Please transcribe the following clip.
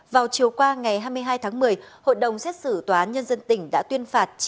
vào chiều qua ngày hai mươi hai tháng một mươi hội đồng xét xử tòa án nhân dân tỉnh đã tuyên phạt